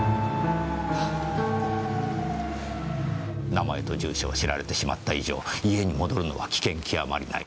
名前と住所を知られてしまった以上家に戻るのは危険きわまりない。